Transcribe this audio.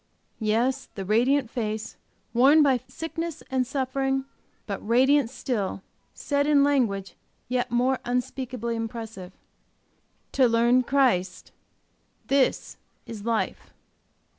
Yes, the radiant face, worn by sickness and suffering, but radiant still, said in language yet more unspeakably impressive, "To learn Christ, this is life!"